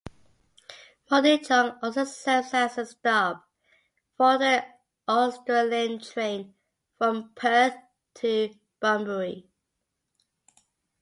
Mundijong also serves as a stop for the Australind train from Perth to Bunbury.